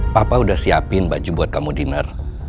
papa udah siapin baju buat kamu dinner